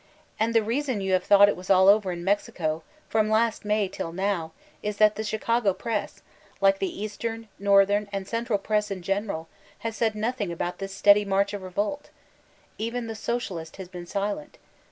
And the reason j<m have thought it was all over in Mexico, from last May till now, is that the Chicago press, like the eastern, northern, and central press in general, has said nothing about this steady march of revolt. Even The Socialist has been silent.